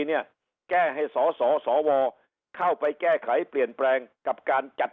เนี่ยแก้ให้สสวเข้าไปแก้ไขเปลี่ยนแปลงกับการจัด